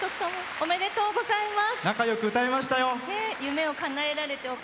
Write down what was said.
おめでとうございます。